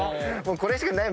これしかない。